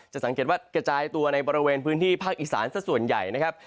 สังเกตว่ากระจายตัวในบริเวณพื้นที่ภาคอีสานสักส่วนใหญ่นะครับ